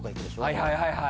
はいはいはいはい。